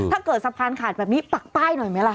ถ้าเกิดสะพานขาดแบบนี้ปักป้ายหน่อยไหมล่ะ